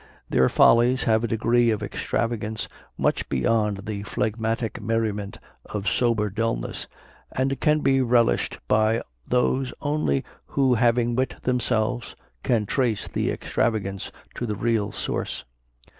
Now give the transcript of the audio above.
Their follies have a degree of extravagance much beyond the phlegmatic merriment of sober dulness, and can be relished by those only, who having wit themselves, can trace the extravagance to the real source.